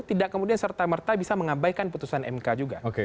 tidak kemudian serta merta bisa mengabaikan putusan mk juga